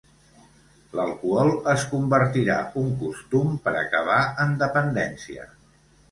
L'alcohol es convertirà un costum per acabar en dependència.